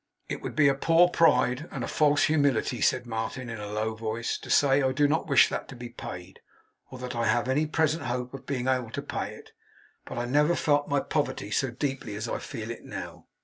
'It would be a poor pride and a false humility,' said Martin, in a low voice, 'to say, I do not wish that to be paid, or that I have any present hope of being able to pay it. But I never felt my poverty so deeply as I feel it now.